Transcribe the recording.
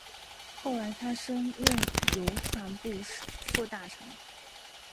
后来他升任邮传部副大臣。